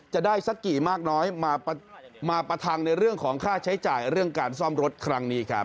จะได้สักกี่มากน้อยมาประทังในเรื่องของค่าใช้จ่ายเรื่องการซ่อมรถครั้งนี้ครับ